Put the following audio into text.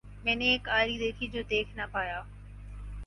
میں نے ایک آری دیکھی جو دیکھ نہ پایا۔